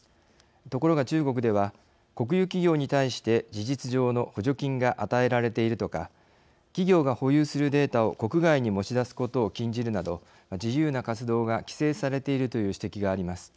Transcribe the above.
ところが、中国では国有企業に対して事実上の補助金が与えられているとか企業が保有するデータを国外に持ち出すことを禁じるなど自由な活動が規制されているという指摘があります。